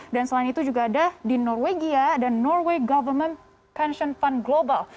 dan selain itu juga ada di norwegia dan norway government pension fund global